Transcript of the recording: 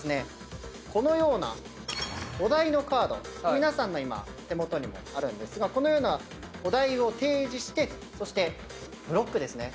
皆さんの今手元にもあるんですがこのようなお題を提示してそしてブロックですね。